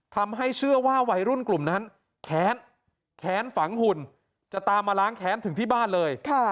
ทำให้เชื่อว่าวัยรุ่นกลุ่มนั้นแค้นแค้นฝังหุ่นจะตามมาล้างแค้นถึงที่บ้านเลย